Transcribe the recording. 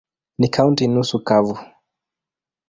Ni kaunti nusu kavu.